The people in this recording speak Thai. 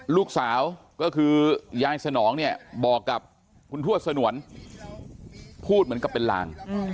ลูกสาวก็คือยายสนองเนี่ยบอกกับคุณทั่วสนวน